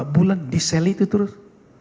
empat bulan di selti itu terus